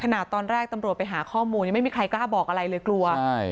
ขนาดตอนแรกตำรวจไปหาข้อมูลยังไม่มีใครกล้าบอกอะไรเลยกลัวใช่